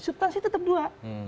substansi tetap dua